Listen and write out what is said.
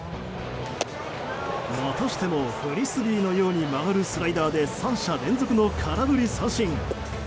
またしてもフリスビーのように回るスライダーで３者連続の空振り三振。